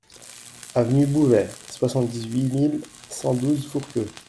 Avenue Bouvet, soixante-dix-huit mille cent douze Fourqueux